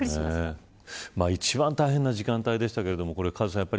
一番大変な時間帯でしたけれどもカズさん